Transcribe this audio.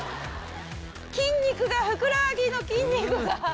筋肉がふくらはぎの筋肉が！